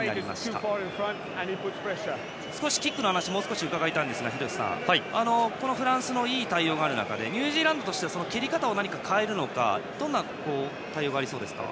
廣瀬さん、キックの話をもう少し伺いたいんですがフランスのいい対応がある中でニュージーランドは蹴り方を変えるかどんな対応がありそうですか。